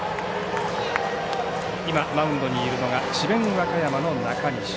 今マウンドにいるのが智弁和歌山の中西。